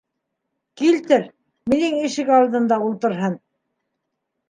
Килтер, минең ишек алдында ултырһын.